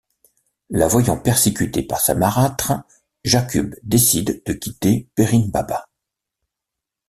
La voyant persécutée par sa marâtre, Jakub décide de quitter Perinbaba.